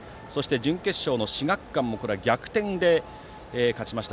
準決勝の志学館もこれは逆転で勝ちました。